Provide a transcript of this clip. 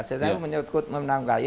sejauh menyangkut pemenang ky